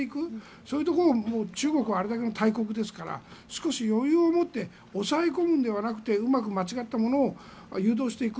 そういうところを中国はあれだけの大国ですから少し余裕を持って抑え込むのではなくてうまく間違ったものを誘導していく。